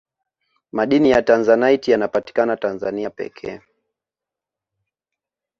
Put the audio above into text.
madini ya tanzanite yanapatikana tanzania pekee